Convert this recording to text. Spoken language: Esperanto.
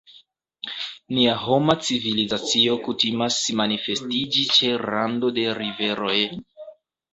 Nia homa civilizacio kutimas manifestiĝi ĉe rando de riveroj.